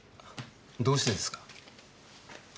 どうしてですか？